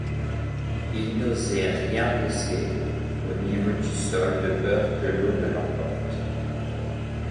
Ils n’osaient rien laisser au niveau du sol de peur que l’eau ne l’emporte.